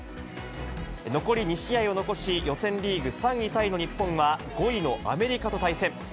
残り２試合を残し、予選リーグ３位タイの日本は、５位のアメリカと対戦。